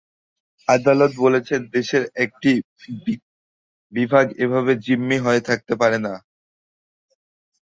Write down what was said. আদালত বলেছেন, দেশের একটি বিভাগ এভাবে জিম্মি হয়ে থাকতে পারে না।